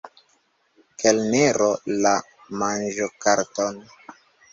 Kelnero, la manĝokarton!